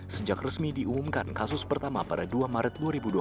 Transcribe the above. sejak resmi diumumkan kasus pertama pada dua maret dua ribu dua puluh